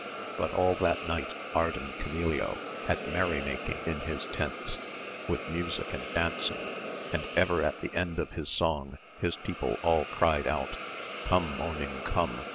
But all that night Ardan Canileo had merry making in his tents, with music and dancing, and ever at the end .of his song his people all cried out, Come morning, come